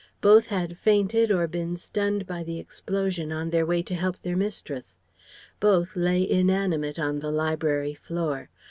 Both had fainted or been stunned by the explosion on their way to help their mistress. Both lay inanimate on the library floor.